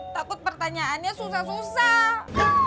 takut pertanyaannya susah susah